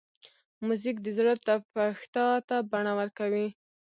موزیک د زړه تپښتا ته بڼه ورکوي.